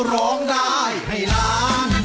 ร้องได้ให้ล้าน